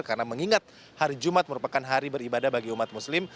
karena mengingat hari jumat merupakan hari beribadah bagi umat muslim